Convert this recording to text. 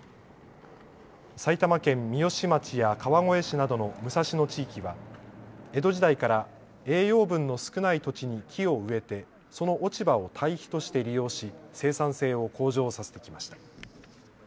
埼玉県三芳町や川越市などの武蔵野地域は江戸時代から栄養分の少ない土地に木を植えて、その落ち葉を堆肥として利用し生産性を向上させてきました。